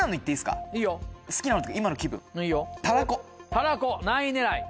たらこ何位狙い？